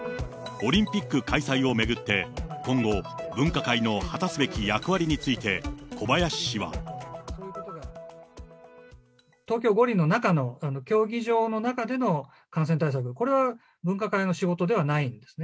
オリンピック開催を巡って、今後、分科会の果たすべき役割について小林氏は。東京五輪の中の、競技場の中での感染対策、これは分科会の仕事ではないんですね。